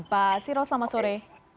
pak sirot selamat sore